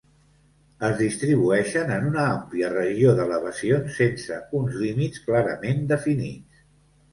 Es distribueixen en una àmplia regió d'elevacions sense uns límits clarament definits.